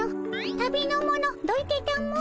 旅の者どいてたも。